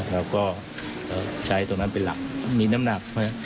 เราก็ใช้ตรงนั้นเป็นหลักมีน้ำหนัก